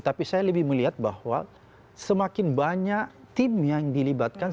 tapi saya lebih melihat bahwa semakin banyak tim yang dilibatkan